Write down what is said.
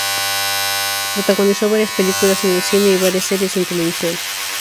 Protagonizó varias películas en el cine y varias series en la televisión.